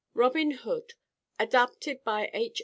ROBIN HOOD ADAPTED BY H.